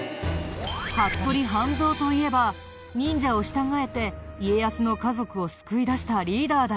服部半蔵といえば忍者を従えて家康の家族を救い出したリーダーだよね。